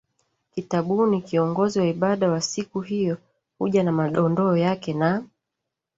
kitabuni kiongozi wa ibada wa siku hiyo huja na madondoo yake na